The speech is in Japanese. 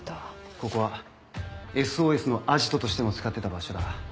ここは「ＳＯＳ」のアジトとしても使ってた場所だ。